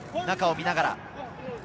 中を見ながら。